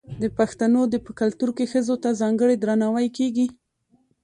د پښتنو په کلتور کې ښځو ته ځانګړی درناوی کیږي.